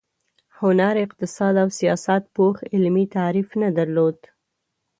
هنر، اقتصاد او سیاست پوخ علمي تعریف نه درلود.